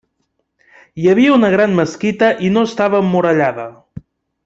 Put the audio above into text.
Hi havia una gran mesquita i no estava emmurallada.